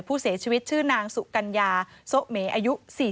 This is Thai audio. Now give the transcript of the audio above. ผู้เสียชีวิตชื่อนางสุกัญญาซั๊ว์เมย์